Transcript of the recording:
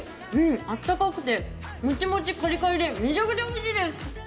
あったかくてもちもちカリカリでめちゃくちゃおいしいです。